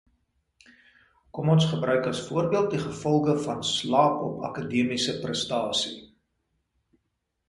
Kom ons gebruik as voorbeeld, die gevolge van slaap op akademiese prestasie.